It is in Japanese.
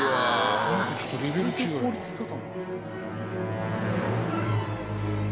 「なんかちょっとレベル違い」